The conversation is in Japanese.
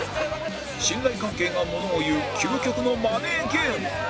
信頼関係が物を言う究極のマネーゲーム